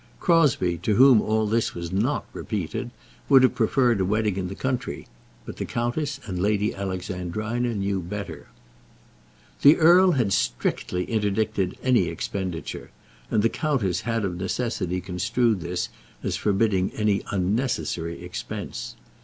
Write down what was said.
Crosbie, to whom all this was not repeated, would have preferred a wedding in the country. But the countess and Lady Alexandrina knew better. The earl had strictly interdicted any expenditure, and the countess had of necessity construed this as forbidding any unnecessary expense.